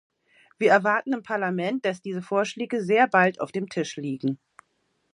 Wir erwarten im Parlament, dass diese Vorschläge sehr bald auf dem Tisch liegen.